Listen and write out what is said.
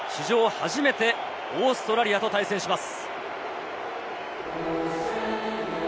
初めてオーストラリアと対戦します。